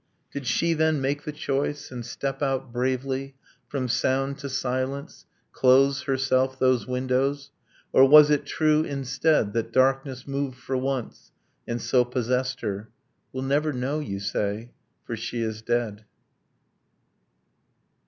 Did she, then, make the choice, and step out bravely From sound to silence close, herself, those windows? Or was it true, instead, That darkness moved, for once, and so possessed her? ... We'll never know, you say, for she is dead.